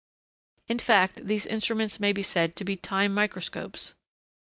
In fact, these instruments may be said to be time microscopes.